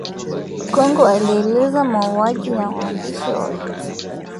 Mwandishi wa habari wa Kongo aeleza mauaji ya waandishi hayajafanyiwa uchunguzi